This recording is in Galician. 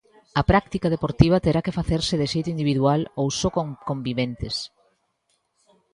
A práctica deportiva terá que facerse de xeito individual ou só con conviventes.